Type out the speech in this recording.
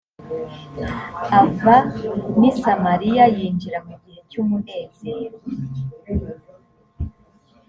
ava n’i samariya yinjira mu gihe cy’umunezero